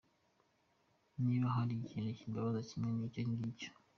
Niba hari ikintu kimbabaza kimwe ni icyongicyo.